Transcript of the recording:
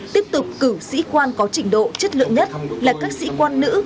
tiếp tục cử sĩ quan có trình độ chất lượng nhất là các sĩ quan nữ